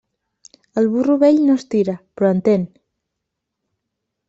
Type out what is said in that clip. El burro vell no estira, però entén.